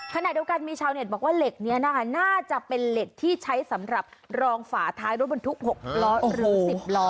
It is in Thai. ขณะเดียวกันมีชาวเน็ตบอกว่าเหล็กนี้นะคะน่าจะเป็นเหล็กที่ใช้สำหรับรองฝาท้ายรถบรรทุก๖ล้อหรือ๑๐ล้อ